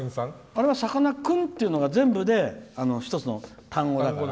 あれはさかなクンってのが一つで一つの単語だから。